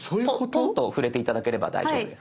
トンと触れて頂ければ大丈夫です。